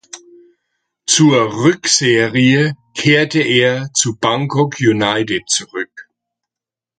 Zur Rückserie kehrte er zu Bangkok United zurück.